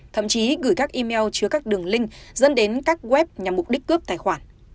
thậm chí gửi các email chứa các đường link dẫn đến các web nhằm mục đích cướp tài khoản